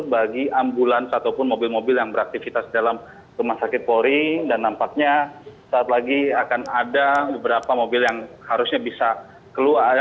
bagi ambulans ataupun mobil mobil yang beraktivitas dalam rumah sakit polri dan nampaknya saat lagi akan ada beberapa mobil yang harusnya bisa keluar